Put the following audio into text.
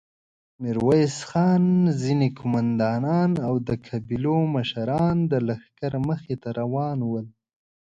ميرويس خان، ځينې قوماندانان او د قبيلو مشران د لښکر مخې ته روان ول.